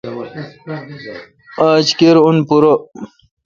آج کیر اؙن پورہ۔